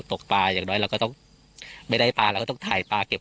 ตกปลาอย่างน้อยเราก็ต้องไม่ได้ปลาเราก็ต้องถ่ายปลาเก็บ